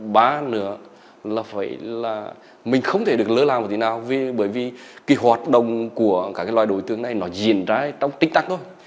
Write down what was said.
ba nữa là phải là mình không thể được lỡ làm được gì nào bởi vì cái hoạt động của các loại đối tượng này nó diễn ra trong tích tắc thôi